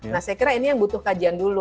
nah saya kira ini yang butuh kajian dulu